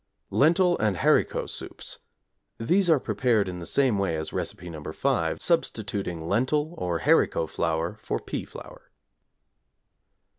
=Lentil and Haricot Soups= These are prepared in the same way as Recipe No. 5 substituting lentil, or haricot flour for pea flour.